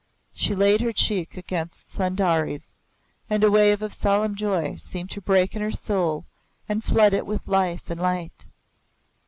She laid her cheek against Sundari's, and a wave of solemn joy seemed to break in her soul and flood it with life and light.